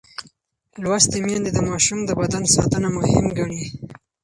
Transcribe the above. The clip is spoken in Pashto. لوستې میندې د ماشوم د بدن ساتنه مهم ګڼي.